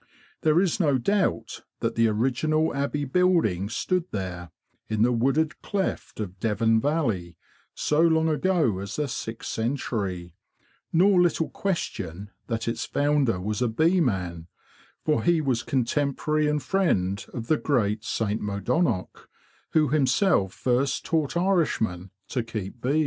There is no doubt that the original abbey building stood there, in the wooded cleft of Devon valley, so long ago as the sixth century, nor little question that its founder was a bee man, for he was contemporary and friend of the great St Modonnoc who himself first taught Irishmen to keep bees.